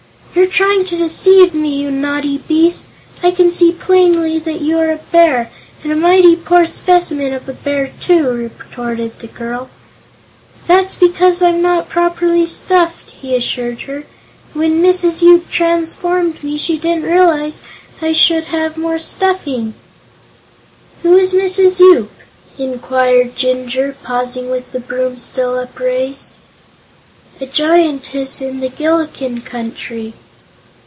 "You're trying to deceive me, you naughty beast! I can see plainly that you are a bear, and a mighty poor specimen of a bear, too," retorted the girl. "That's because I'm not properly stuffed," he assured her. "When Mrs. Yoop transformed me, she didn't realize I should have more stuffing." "Who is Mrs. Yoop?" inquired Jinjur, pausing with the broom still upraised. "A Giantess in the Gillikin Country."